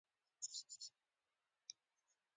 د حسن مبارک رژیم تر پرځېدو وروسته مصر پرانیستو ته لاړ شي.